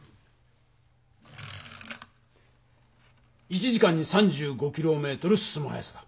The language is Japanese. １時間に３５キロメートル進む速さだ。